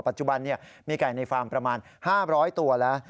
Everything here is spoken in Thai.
ปัจจุบันมีไก่ในฟาร์มประมาณ๕๐๐ตัวแล้ว